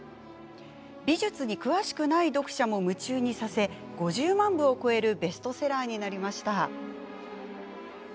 美術に詳しくない読者も夢中にさせ５０万部を超えるベストセラーになりました。